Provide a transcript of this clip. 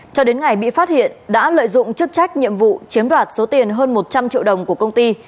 cho đến ngày bị phát hiện đã lợi dụng chức trách nhiệm vụ chiếm đoạt số tiền hơn một trăm linh triệu đồng của công ty